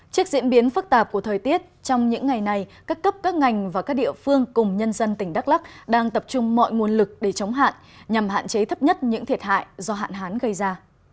trước diễn biến phức tạp của thời tiết trong những ngày này các cấp các ngành và các địa phương cùng nhân dân tỉnh đắk lắc đang tập trung mọi nguồn lực để chống hạn nhằm hạn chế thấp nhất những thiệt hại do hạn hán gây ra